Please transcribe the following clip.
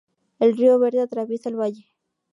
El río Verde atraviesa el valle.